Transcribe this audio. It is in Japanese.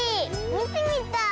みてみたい！